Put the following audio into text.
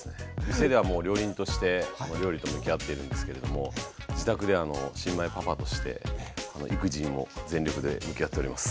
店ではもう料理人として料理と向き合ってるんですけれども自宅では新米パパとして育児にも全力で向き合っております。